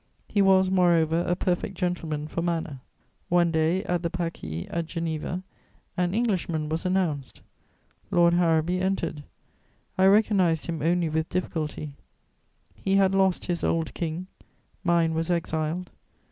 He was, moreover, a perfect gentleman for manner. One day, at the Pâquis, at Geneva, an Englishman was announced: Lord Harrowby entered; I recognised him only with difficulty: he had lost his old King; mine was exiled.